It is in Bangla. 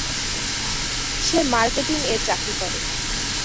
সে মার্কেটিং এর চাকরি করে।